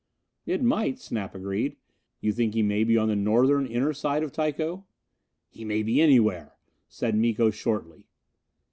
"[B] "It might," Snap agreed. "You think he may be on the Northern inner side of Tycho?" "He may be anywhere," said Miko shortly.